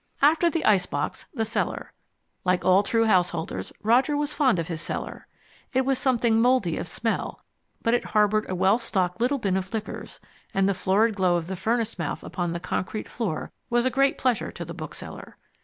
After the ice box, the cellar. Like all true householders, Roger was fond of his cellar. It was something mouldy of smell, but it harboured a well stocked little bin of liquors, and the florid glow of the furnace mouth upon the concrete floor was a great pleasure to the bookseller.